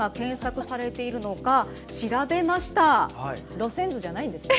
路線図じゃないんですね。